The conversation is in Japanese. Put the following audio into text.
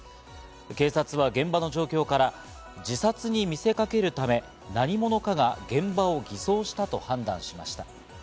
警察は現場の状況から、自殺に見せかけるため、何者かが現場を偽装したと判断しました。